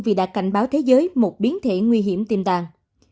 vì đã cảnh báo thế giới một biến thể nguy hiểm tiêm đàn